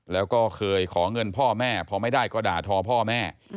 แล้วก็เคยขอเงินพ่อแม่พอไม่ได้ก็ด่าทอพ่อแม่